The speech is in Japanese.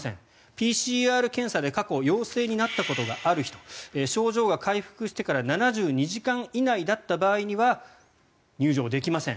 ＰＣＲ検査で過去、陽性になったことがある人症状が回復してから７２時間以内だった場合には入場できません。